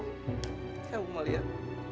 kamu mau lihat